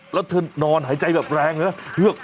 แล้วเธอนอนหายใจแบบแรงเลยนะ